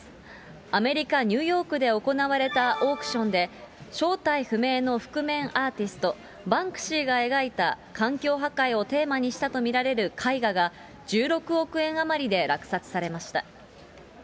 アメリカ・ニューヨークで行われたオークションで、正体不明の覆面アーティスト、バンクシーが描いた環境破壊をテーマにしたと見られる絵画が、１６億円余りで落札されました。